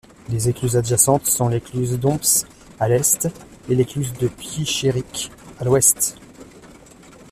Les écluses adjacentes sont l'écluse d'Homps à l'est et l'écluse de Puichéric, à l'ouest.